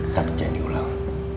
tapi jangan diulang